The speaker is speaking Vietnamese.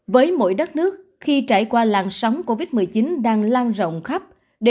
với mỗi đất nước khi trải qua làn sóng covid một mươi chín đang lan rộng khắp